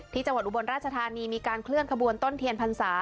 ที่จังหวัดอุบลราชภารนีมีการเคลื่อนคบวนต้นเทียนพรรษา